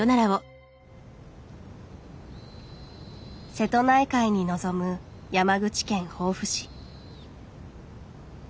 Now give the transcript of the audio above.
瀬戸内海に臨む山口県防府市。